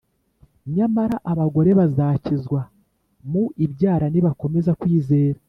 Nyamara abagore bazakizwa mu ibyara nibakomeza kwizera